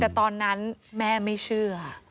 แต่ตอนนั้นแม่ไม่เชื่อ